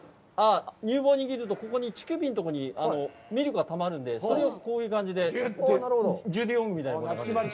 乳房を握ると、ここの乳首のところにミルクがたまるんで、それをこういう感じで、ジュディ・オングみたいな感じで。